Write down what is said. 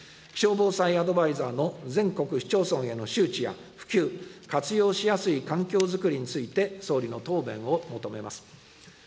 気象防災アドバイザーの全国市町村への周知や普及、活用しやすい環境づくりについて、総理の答弁を求めます。